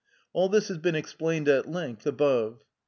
All this has been explained at length above.